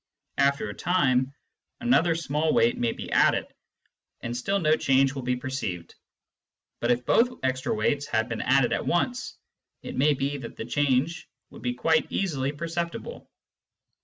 After a time, another small extra weight may be added, and still no change will be perceived ; but if both extra weights had been added at once, it may be that the change would be quite easily perceptible.